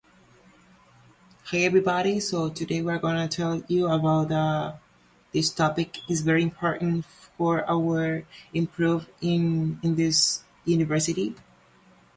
No os venguéis vosotros mismos, amados míos; antes dad lugar á la ira;